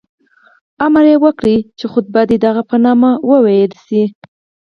امر یې وکړ چې خطبه دې د هغه په نامه وویل شي.